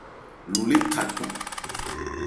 Lo lé tha cɔn.